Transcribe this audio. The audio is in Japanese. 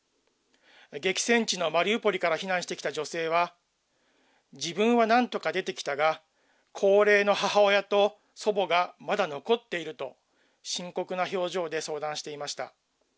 激戦地のマリウポリから避難してきた女性は、自分はなんとか出てきたが、高齢の母親と祖母がまだ残っていると、深刻な表情で相談していました。